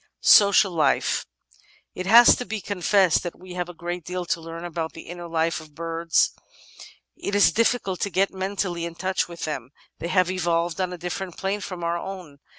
Social Life It has to be confessed that we have a great deal to learn about the inner life of birds. It is dif&cult to get mentally in touch with them ; they have evolved on a different plane from our own.